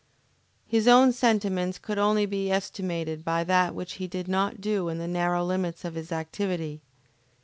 His own sentiments could only be estimated by that which he did not do in the narrow limits of his activity.